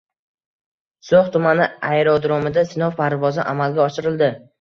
So‘x tumani aerodromida sinov parvozi amalga oshirilding